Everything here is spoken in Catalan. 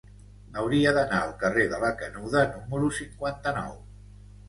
Hauria d'anar al carrer de la Canuda número cinquanta-nou.